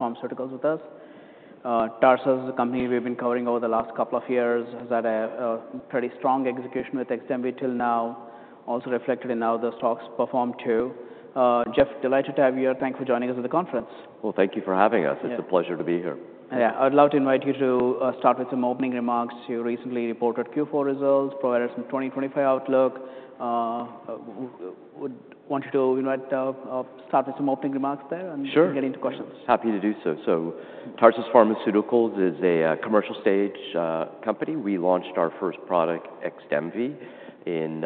Pharmaceuticals with us. Tarsus, a company we've been covering over the last couple of years, has had a pretty strong execution with XDEMVY till now, also reflected in how the stock's performed too. Jeff, delighted to have you here. Thank you for joining us at the conference. Thank you for having us. Yeah. It's a pleasure to be here. Yeah. I'd love to invite you to start with some opening remarks. You recently reported Q4 results, provided some 2025 outlook. Would want you to invite, start with some opening remarks there. Sure. Get into questions. Happy to do so. Tarsus Pharmaceuticals is a commercial stage company. We launched our first product, XDEMVY, in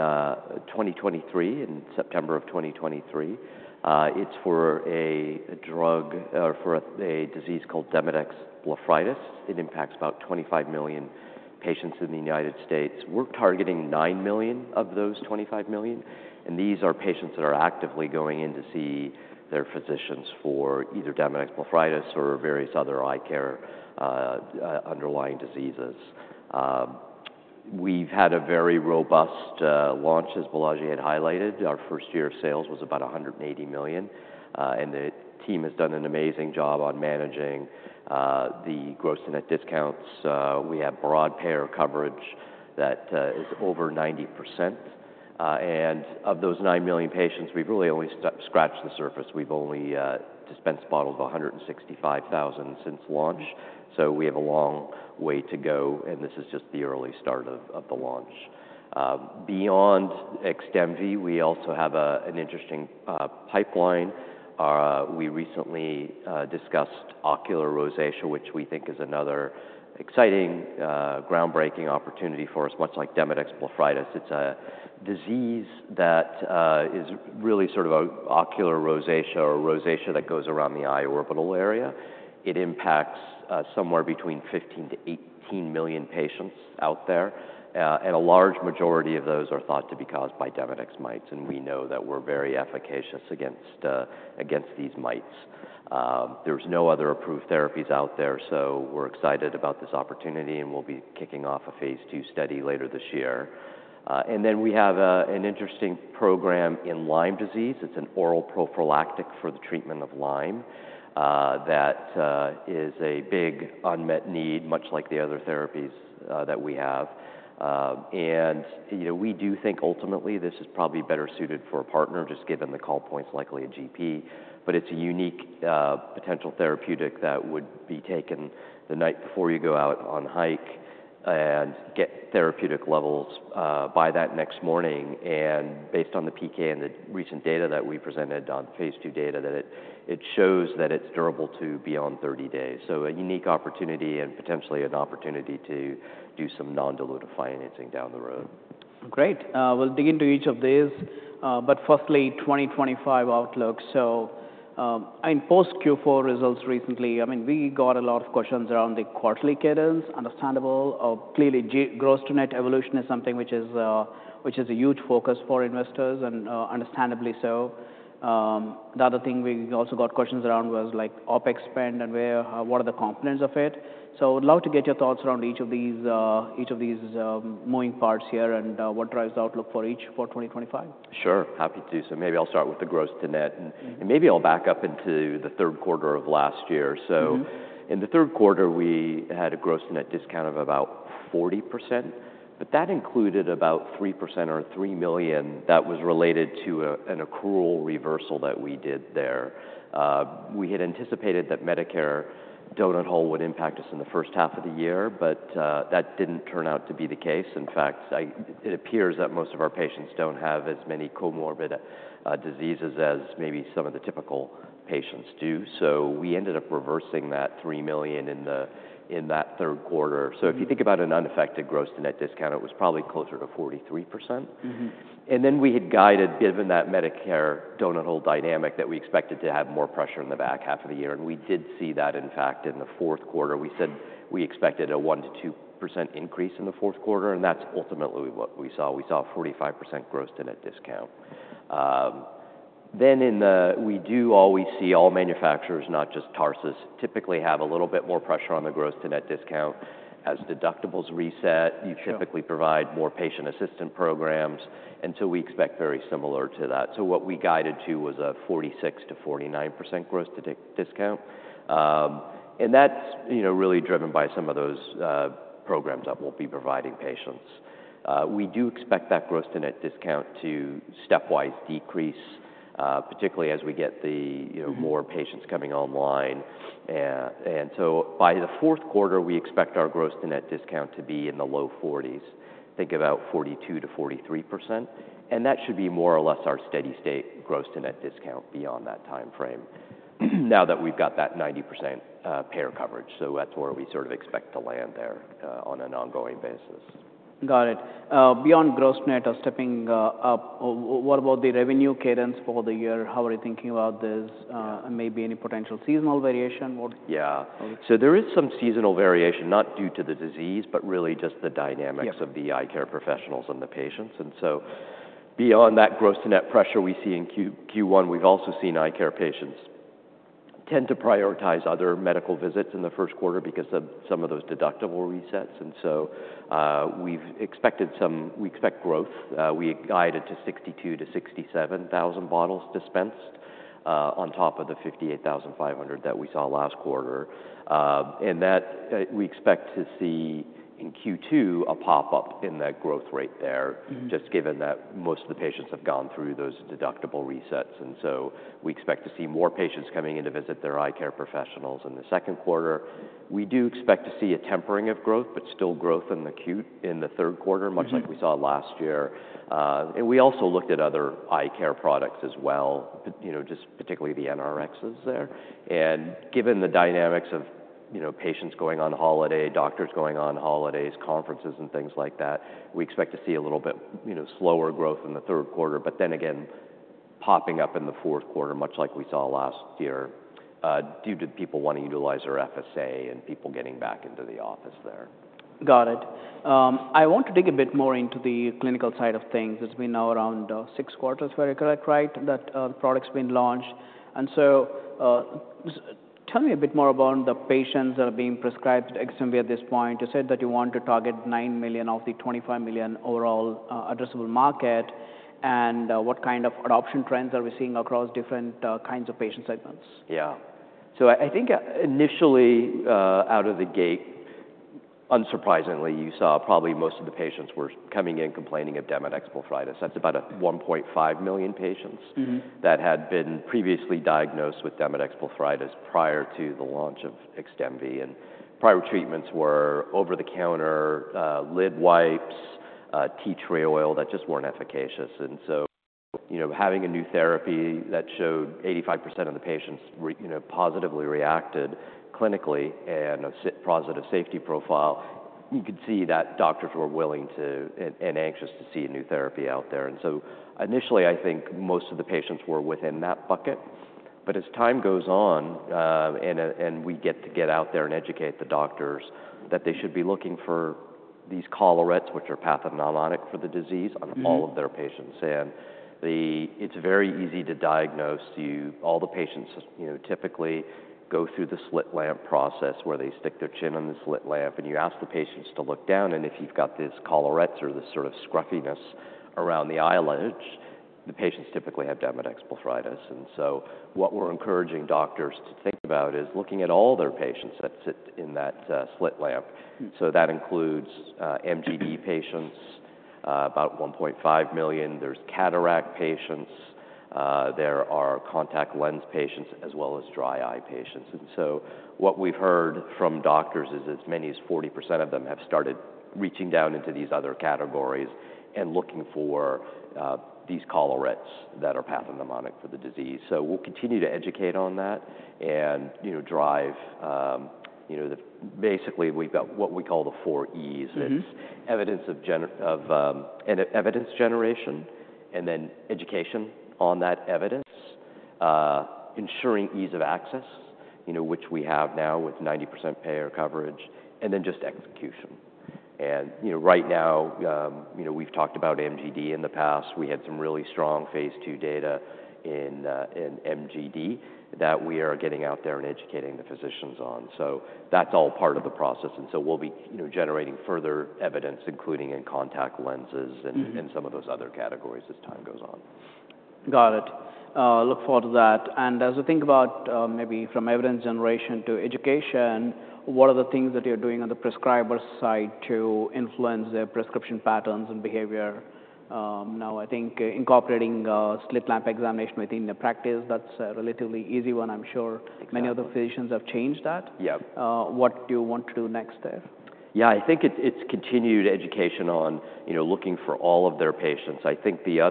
2023, in September of 2023. It is for a drug, for a disease called Demodex blepharitis. It impacts about 25 million patients in the United States. We are targeting 9 million of those 25 million. These are patients that are actively going in to see their physicians for either Demodex blepharitis or various other eye care, underlying diseases. We have had a very robust launch, as Balaji had highlighted. Our first year of sales was about $180 million. The team has done an amazing job on managing the gross-to-net discounts. We have broad payer coverage that is over 90%. Of those 9 million patients, we have really only scratched the surface. We have only dispensed bottles of 165,000 since launch. We have a long way to go, and this is just the early start of the launch. Beyond XDEMVY, we also have an interesting pipeline. We recently discussed ocular rosacea, which we think is another exciting, groundbreaking opportunity for us, much like Demodex blepharitis. It's a disease that is really sort of an ocular rosacea or rosacea that goes around the eye orbital area. It impacts somewhere between 15-18 million patients out there, and a large majority of those are thought to be caused by Demodex mites. We know that we're very efficacious against these mites. There's no other approved therapies out there, so we're excited about this opportunity, and we'll be kicking off a phase II study later this year. Then we have an interesting program in Lyme disease. It's an oral prophylactic for the treatment of Lyme, that is a big unmet need, much like the other therapies that we have. And, you know, we do think ultimately this is probably better suited for a partner, just given the call points, likely a GP. But it's a unique, potential therapeutic that would be taken the night before you go out on a hike and get therapeutic levels by that next morning. And based on the PK and the recent data that we presented on phase II data, it shows that it's durable to beyond 30 days. So a unique opportunity and potentially an opportunity to do some non-dilutive financing down the road. Great. We'll dig into each of these. But firstly, 2025 outlook. I mean, post Q4 results recently, I mean, we got a lot of questions around the quarterly cadence. Understandable. Clearly, gross-to-net evolution is something which is a huge focus for investors, and understandably so. The other thing we also got questions around was, like, OpEx spend and what are the components of it. I would love to get your thoughts around each of these, each of these moving parts here and what drives the outlook for each for 2025. Sure. Happy to. Maybe I'll start with the gross-to-net. Mm-hmm. Maybe I'll back up into the third quarter of last year. Mm-hmm. In the third quarter, we had a gross-to-net discount of about 40%, but that included about 3% or $3 million that was related to an accrual reversal that we did there. We had anticipated that Medicare donut hole would impact us in the first half of the year, but that did not turn out to be the case. In fact, it appears that most of our patients do not have as many comorbid diseases as maybe some of the typical patients do. We ended up reversing that $3 million in that third quarter. If you think about an unaffected gross-to-net discount, it was probably closer to 43%. Mm-hmm. We had guided, given that Medicare donut hole dynamic, that we expected to have more pressure in the back half of the year. We did see that, in fact, in the fourth quarter. We said we expected a 1%-2% increase in the fourth quarter, and that's ultimately what we saw. We saw a 45% gross-to-net discount. We do always see all manufacturers, not just Tarsus, typically have a little bit more pressure on the gross-to-net discount as deductibles reset. Sure. You typically provide more patient assistance programs, and so we expect very similar to that. What we guided to was a 46%-49% gross-to-net discount, and that's, you know, really driven by some of those programs that we'll be providing patients. We do expect that gross-to-net discount to stepwise decrease, particularly as we get, you know, more patients coming online. By the fourth quarter, we expect our gross-to-net discount to be in the low 40s. Think about 42%-43%. That should be more or less our steady state gross-to-net discount beyond that timeframe now that we've got that 90% payer coverage. That's where we sort of expect to land there, on an ongoing basis. Got it. Beyond gross-to-net, are stepping up. What about the revenue cadence for the year? How are you thinking about this? Maybe any potential seasonal variation? What? Yeah. Okay. There is some seasonal variation, not due to the disease, but really just the dynamics. Yes. Of the eye care professionals and the patients. Beyond that gross-to-net pressure we see in Q1, we've also seen eye care patients tend to prioritize other medical visits in the first quarter because of some of those deductible resets. We've expected some, we expect growth. We guided to 62,000-67,000 bottles dispensed, on top of the 58,500 that we saw last quarter. We expect to see in Q2 a pop-up in that growth rate there. Mm-hmm. Just given that most of the patients have gone through those deductible resets. We expect to see more patients coming in to visit their eye care professionals in the second quarter. We do expect to see a tempering of growth, but still growth in the acute in the third quarter. Mm-hmm. Much like we saw last year. And we also looked at other eye care products as well, but, you know, just particularly the NRx is there. And given the dynamics of, you know, patients going on holiday, doctors going on holidays, conferences, and things like that, we expect to see a little bit, you know, slower growth in the third quarter, but then again, popping up in the fourth quarter, much like we saw last year, due to people wanting to utilize their FSA and people getting back into the office there. Got it. I want to dig a bit more into the clinical side of things. It's been now around six quarters, very correct, right, that the product's been launched. Tell me a bit more about the patients that are being prescribed XDEMVY at this point. You said that you want to target 9 million of the 25 million overall addressable market. What kind of adoption trends are we seeing across different kinds of patient segments? Yeah. I think, initially, out of the gate, unsurprisingly, you saw probably most of the patients were coming in complaining of Demodex Blepharitis. That's about 1.5 million patients. Mm-hmm. That had been previously diagnosed with Demodex blepharitis prior to the launch of XDEMVY. Prior treatments were over-the-counter, lid wipes, tea tree oil that just were not efficacious. You know, having a new therapy that showed 85% of the patients, you know, positively reacted clinically and a positive safety profile, you could see that doctors were willing to and anxious to see a new therapy out there. Initially, I think most of the patients were within that bucket. As time goes on, and we get to get out there and educate the doctors that they should be looking for these collarettes, which are pathognomonic for the disease. Mm-hmm. On all of their patients. It's very easy to diagnose you. All the patients, you know, typically go through the slit lamp process where they stick their chin in the slit lamp, and you ask the patients to look down. If you've got these collarettes or this sort of scruffiness around the eyelids, the patients typically have Demodex blepharitis. What we're encouraging doctors to think about is looking at all their patients that sit in that slit lamp. Mm-hmm. That includes MGD patients, about 1.5 million. There are cataract patients, there are contact lens patients as well as dry eye patients. What we've heard from doctors is as many as 40% of them have started reaching down into these other categories and looking for these collarettes that are pathognomonic for the disease. We'll continue to educate on that and, you know, drive, you know, the basically, we've got what we call the four Es. Mm-hmm. It's evidence generation, and then education on that evidence, ensuring ease of access, you know, which we have now with 90% payer coverage, and then just execution. You know, right now, you know, we've talked about MGD in the past. We had some really strong phase II data in MGD that we are getting out there and educating the physicians on. That's all part of the process. You know, we'll be generating further evidence, including in contact lenses. Mm-hmm. Some of those other categories as time goes on. Got it. I look forward to that. As we think about, maybe from evidence generation to education, what are the things that you're doing on the prescriber's side to influence their prescription patterns and behavior? Now, I think incorporating slit lamp examination within the practice, that's a relatively easy one, I'm sure. Exactly. Many other physicians have changed that. Yep. What do you want to do next there? Yeah. I think it's continued education on, you know, looking for all of their patients. I think the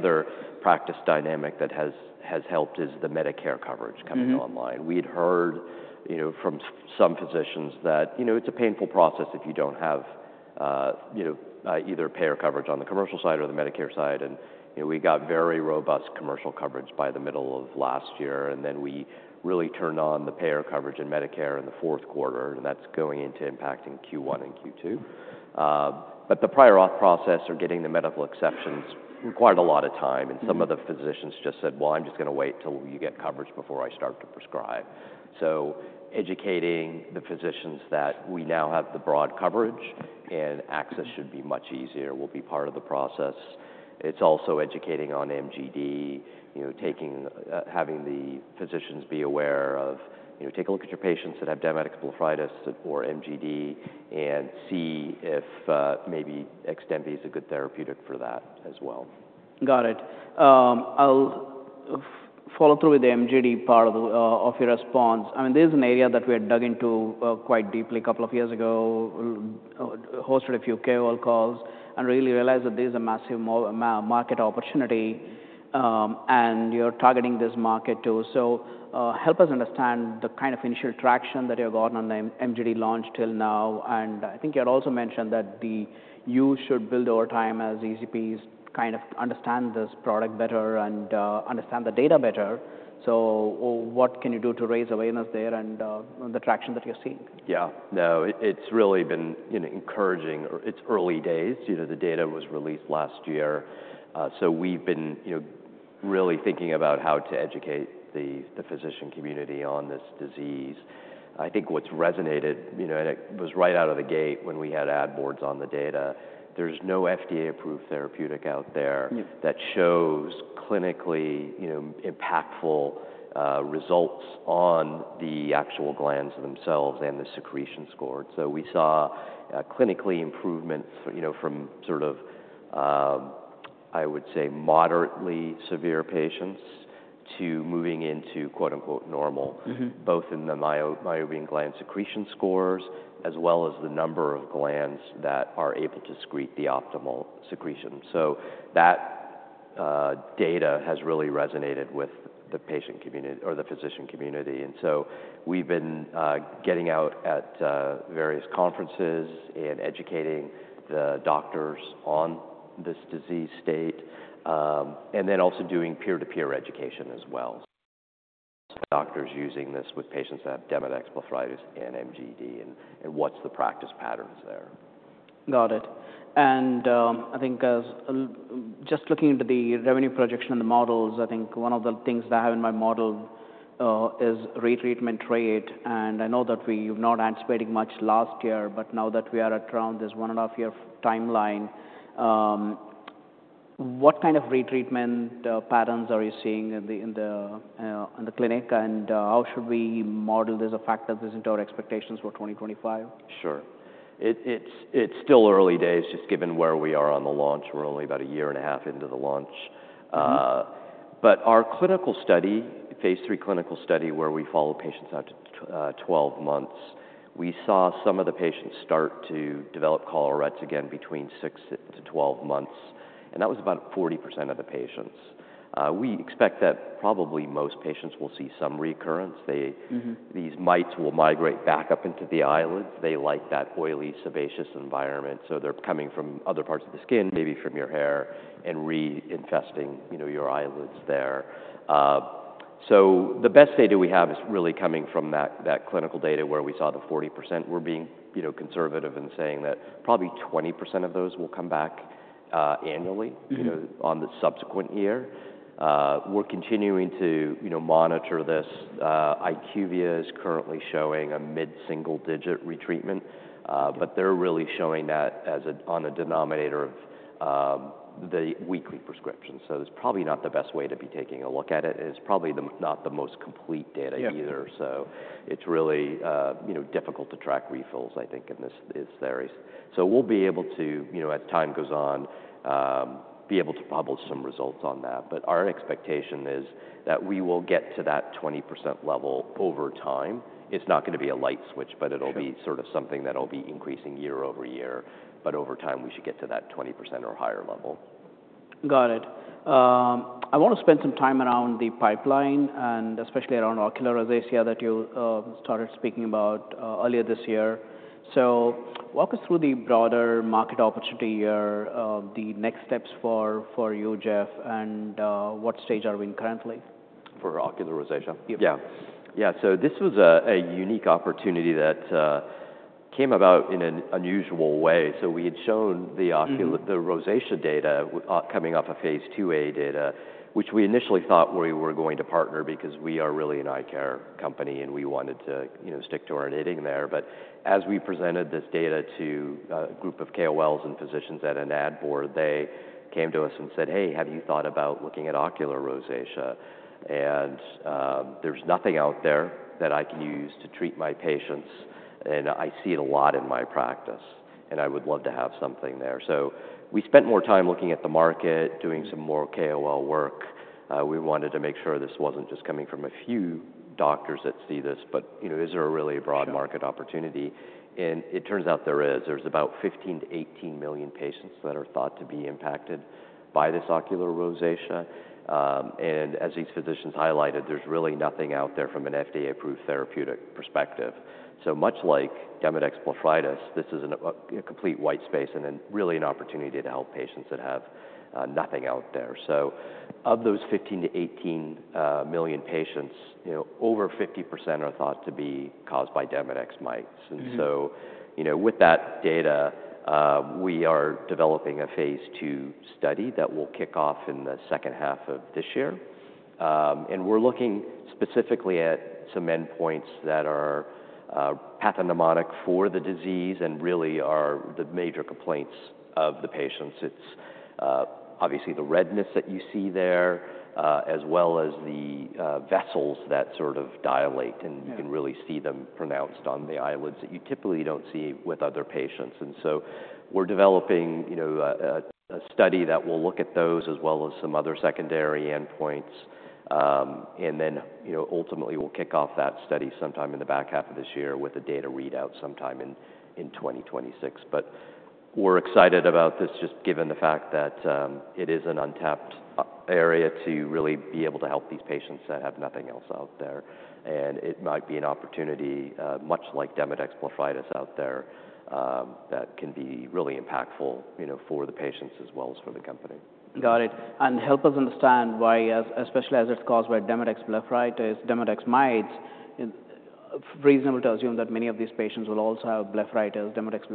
other practice dynamic that has helped is the Medicare coverage coming online. Mm-hmm. We'd heard, you know, from some physicians that, you know, it's a painful process if you don't have, you know, either payer coverage on the commercial side or the Medicare side. You know, we got very robust commercial coverage by the middle of last year, and then we really turned on the payer coverage in Medicare in the fourth quarter, and that's going into impacting Q1 and Q2. The prior auth process or getting the medical exceptions required a lot of time. Mm-hmm. Some of the physicians just said, "Well, I'm just gonna wait till you get coverage before I start to prescribe." Educating the physicians that we now have the broad coverage and access should be much easier will be part of the process. It's also educating on MGD, you know, having the physicians be aware of, you know, take a look at your patients that have Demodex blepharitis or MGD and see if, maybe XDEMVY is a good therapeutic for that as well. Got it. I'll follow through with the MGD part of your response. I mean, there's an area that we had dug into quite deeply a couple of years ago, hosted a few KOL calls and really realized that there's a massive market opportunity, and you're targeting this market too. Help us understand the kind of initial traction that you've got on the MGD launch till now. I think you had also mentioned that you should build over time as ECPs kind of understand this product better and understand the data better. What can you do to raise awareness there and the traction that you're seeing? Yeah. No, it's really been, you know, encouraging. It's early days. You know, the data was released last year. We've been, you know, really thinking about how to educate the physician community on this disease. I think what's resonated, you know, and it was right out of the gate when we had ad boards on the data, there's no FDA-approved therapeutic out there. Yep. That shows clinically, you know, impactful results on the actual glands themselves and the secretion score. And so we saw, clinically, improvements, you know, from sort of, I would say moderately severe patients to moving into "normal. Mm-hmm. Both in the meibomian gland secretion scores as well as the number of glands that are able to secrete the optimal secretion. That data has really resonated with the patient community or the physician community. We've been getting out at various conferences and educating the doctors on this disease state, and also doing peer-to-peer education as well. Doctors using this with patients that have Demodex blepharitis and MGD, and what's the practice patterns there. Got it. I think as I just looking into the revenue projection and the models, I think one of the things that I have in my model is retreatment rate. I know that we've not anticipated much last year, but now that we are at around this one-and-a-half-year timeline, what kind of retreatment patterns are you seeing in the clinic? How should we model this? The fact that this is in our expectations for 2025? Sure. It's still early days just given where we are on the launch. We're only about a year and a half into the launch. Mm-hmm. Our clinical study, phase III clinical study where we follow patients out to 12 months, we saw some of the patients start to develop collarettes again between 6-12 months. That was about 40% of the patients. We expect that probably most patients will see some recurrence. They. Mm-hmm. These mites will migrate back up into the eyelids. They like that oily, sebaceous environment. They're coming from other parts of the skin, maybe from your hair, and re-infesting, you know, your eyelids there. The best data we have is really coming from that clinical data where we saw the 40%. We're being, you know, conservative in saying that probably 20% of those will come back annually. Mm-hmm. You know, on the subsequent year. We're continuing to, you know, monitor this. IQVIA is currently showing a mid-single-digit retreatment. They're really showing that as on a denominator of the weekly prescription. So it's probably not the best way to be taking a look at it. It's probably not the most complete data. Yep. Either. It's really, you know, difficult to track refills, I think, in this area. We'll be able to, you know, as time goes on, be able to publish some results on that. Our expectation is that we will get to that 20% level over time. It's not gonna be a light switch, but it'll be. Mm-hmm. Sort of something that'll be increasing year over year. Over time, we should get to that 20% or higher level. Got it. I wanna spend some time around the pipeline and especially around ocular rosacea that you started speaking about earlier this year. Walk us through the broader market opportunity here, the next steps for you, Jeff, and what stage are we in currently? For ocular rosacea? Yep. Yeah. Yeah. This was a unique opportunity that came about in an unusual way. We had shown the ocular. Mm-hmm. The rosacea data was coming off of phase II-A data, which we initially thought we were going to partner because we are really an eye care company and we wanted to, you know, stick to our knitting there. As we presented this data to a group of KOLs and physicians at an ad board, they came to us and said, "Hey, have you thought about looking at ocular rosacea?" There is nothing out there that I can use to treat my patients, and I see it a lot in my practice, and I would love to have something there. We spent more time looking at the market, doing some more KOL work. We wanted to make sure this was not just coming from a few doctors that see this, but, you know, is there a really broad market opportunity? It turns out there is. There's about 15-18 million patients that are thought to be impacted by this ocular rosacea. And as these physicians highlighted, there's really nothing out there from an FDA-approved therapeutic perspective. Much like Demodex blepharitis, this is a complete white space and really an opportunity to help patients that have nothing out there. Of those 15-18 million patients, you know, over 50% are thought to be caused by Demodex mites. Mm-hmm. You know, with that data, we are developing a phase II study that will kick off in the second half of this year. We're looking specifically at some endpoints that are pathognomonic for the disease and really are the major complaints of the patients. It's obviously the redness that you see there, as well as the vessels that sort of dilate. Mm-hmm. You can really see them pronounced on the eyelids that you typically do not see with other patients. We are developing, you know, a study that will look at those as well as some other secondary endpoints. You know, ultimately, we will kick off that study sometime in the back half of this year with a data readout sometime in 2026. We are excited about this just given the fact that it is an untapped area to really be able to help these patients that have nothing else out there. It might be an opportunity, much like Demodex Blepharitis out there, that can be really impactful, you know, for the patients as well as for the company. Got it. Help us understand why, especially as it's caused by Demodex blepharitis, Demodex mites, it's reasonable to assume that many of these patients will also have blepharitis, Demodex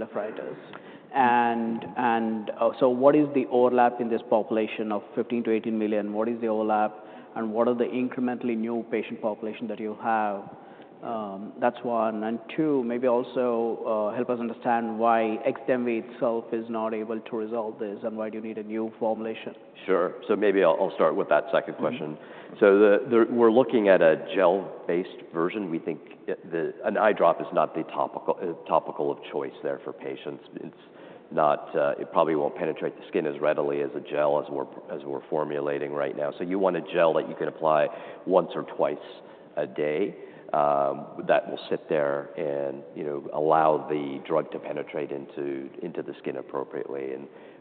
blepharitis. What is the overlap in this population of 15-18 million? What is the overlap? What are the incrementally new patient population that you have? That's one. Two, maybe also help us understand why XDEMVY itself is not able to resolve this and why do you need a new formulation? Sure. Maybe I'll start with that second question. Mm-hmm. The we're looking at a gel-based version. We think an eye drop is not the topical of choice there for patients. It's not, it probably won't penetrate the skin as readily as a gel as we're formulating right now. You want a gel that you can apply once or twice a day, that will sit there and, you know, allow the drug to penetrate into the skin appropriately.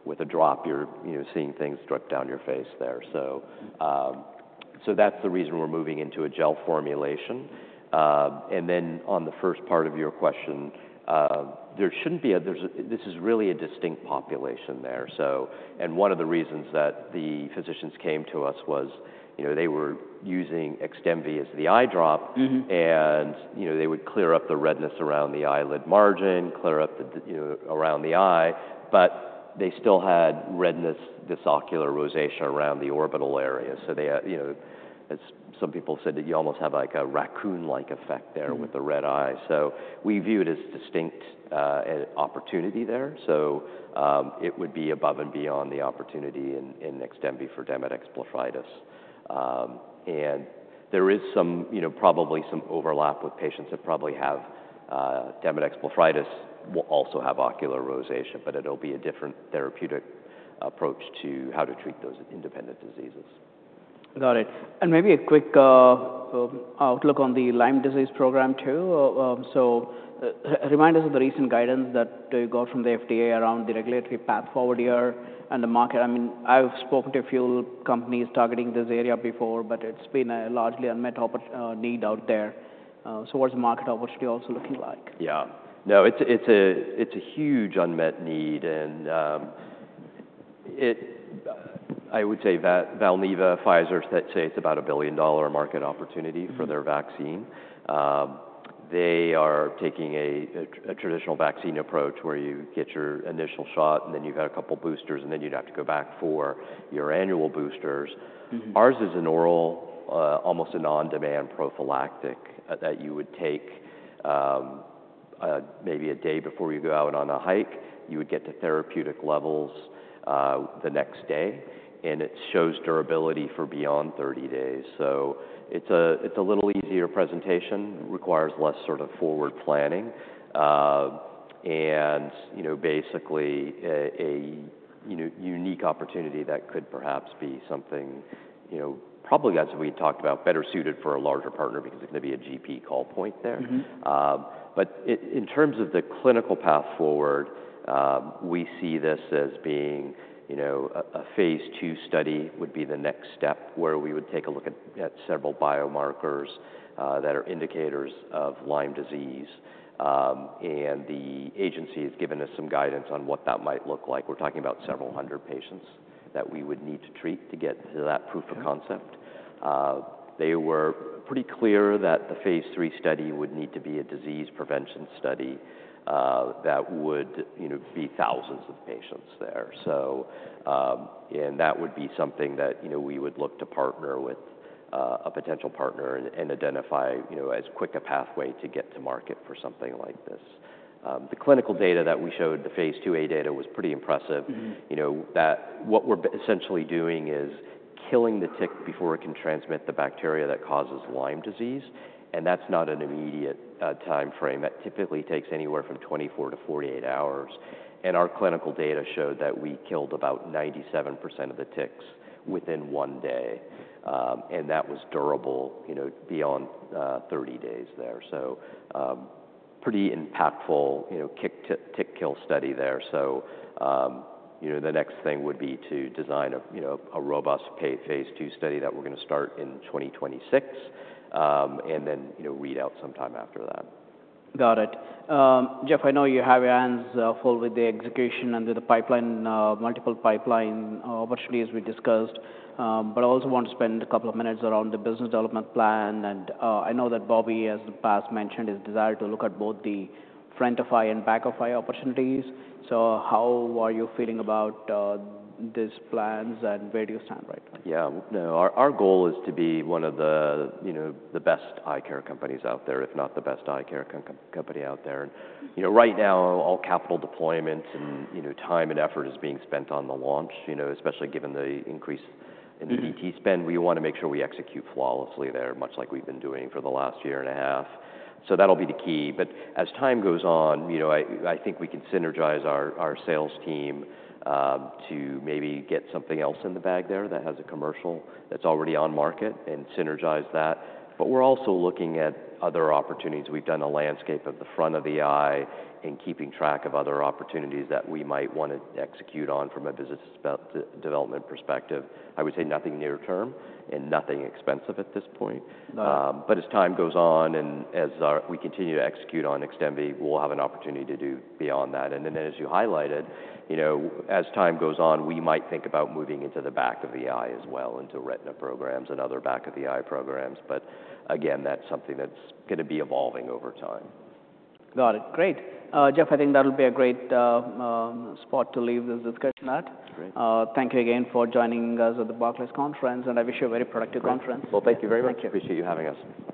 With a drop, you're, you know, seeing things drip down your face there. That's the reason we're moving into a gel formulation. On the first part of your question, there shouldn't be a, this is really a distinct population there. One of the reasons that the physicians came to us was, you know, they were using XDEMVY as the eye drop. Mm-hmm. You know, they would clear up the redness around the eyelid margin, clear up the, you know, around the eye, but they still had redness, this ocular rosacea around the orbital area. They had, you know, as some people said, that you almost have like a raccoon-like effect there with the red eye. We view it as a distinct opportunity there. It would be above and beyond the opportunity in, in XDEMVY for Demodex Blepharitis. There is some, you know, probably some overlap with patients that probably have Demodex Blepharitis who will also have ocular rosacea, but it'll be a different therapeutic approach to how to treat those independent diseases. Got it. Maybe a quick outlook on the Lyme disease program too. Remind us of the recent guidance that you got from the FDA around the regulatory path forward here and the market. I mean, I've spoken to a few companies targeting this area before, but it's been a largely unmet opportunity, need out there. What's the market opportunity also looking like? Yeah. No, it's a huge unmet need. I would say Valneva, Pfizer said it's about a billion-dollar market opportunity for their vaccine. They are taking a traditional vaccine approach where you get your initial shot, and then you've had a couple boosters, and then you'd have to go back for your annual boosters. Mm-hmm. Ours is an oral, almost a non-demand prophylactic, that you would take, maybe a day before you go out on a hike. You would get to therapeutic levels the next day. It shows durability for beyond 30 days. It is a little easier presentation, requires less sort of forward planning, and, you know, basically, a, you know, unique opportunity that could perhaps be something, you know, probably as we talked about, better suited for a larger partner because it's gonna be a GP call point there. Mm-hmm. In terms of the clinical path forward, we see this as being, you know, a phase II study would be the next step where we would take a look at, at several biomarkers, that are indicators of Lyme disease. The agency has given us some guidance on what that might look like. We're talking about several hundred patients that we would need to treat to get to that proof of concept. They were pretty clear that the phase III study would need to be a disease prevention study, that would, you know, be thousands of patients there. That would be something that, you know, we would look to partner with, a potential partner and, and identify, you know, as quick a pathway to get to market for something like this. The clinical data that we showed, the phase II-A data was pretty impressive. Mm-hmm. You know, that what we're essentially doing is killing the tick before it can transmit the bacteria that causes Lyme disease. That's not an immediate timeframe. That typically takes anywhere from 24-48 hours. Our clinical data showed that we killed about 97% of the ticks within one day. That was durable, you know, beyond 30 days there. Pretty impactful, you know, tick kill study there. You know, the next thing would be to design a, you know, a robust phase II study that we're gonna start in 2026, and then, you know, read out sometime after that. Got it. Jeff, I know you have your hands full with the execution and with the pipeline, multiple pipeline opportunities we discussed. I also want to spend a couple of minutes around the business development plan. I know that Bobby, as the past mentioned, is desire to look at both the front of eye and back of eye opportunities. How are you feeling about this plans and where do you stand right now? Yeah. No, our goal is to be one of the, you know, the best eye care companies out there, if not the best eye care company out there. And, you know, right now, all capital deployments and, you know, time and effort is being spent on the launch, you know, especially given the increase in DTC spend. We wanna make sure we execute flawlessly there, much like we've been doing for the last year and a half. That'll be the key. As time goes on, you know, I think we can synergize our sales team, to maybe get something else in the bag there that has a commercial that's already on market and synergize that. We're also looking at other opportunities. We've done a landscape of the front of the eye and keeping track of other opportunities that we might wanna execute on from a business development perspective. I would say nothing near-term and nothing expensive at this point. Got it. As time goes on and as we continue to execute on XDEMVY, we'll have an opportunity to do beyond that. And then, as you highlighted, you know, as time goes on, we might think about moving into the back of the eye as well, into retina programs and other back of the eye programs. But again, that's something that's gonna be evolving over time. Got it. Great. Jeff, I think that'll be a great spot to leave this discussion at. Great. Thank you again for joining us at the Barclays Conference, and I wish you a very productive conference. Thank you very much. Thank you. Appreciate you having us.